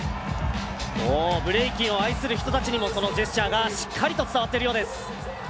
おおブレイキンを愛する人たちにもそのジェスチャーがしっかりと伝わってるようです